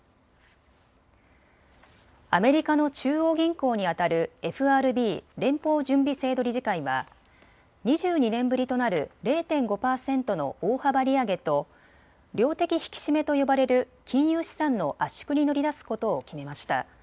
アメリカの中央銀行にあたるＦＲＢ・連邦準備制度理事会は２２年ぶりとなる０．５％の大幅利上げと量的引き締めと呼ばれる金融資産の圧縮に乗り出すことを決めました。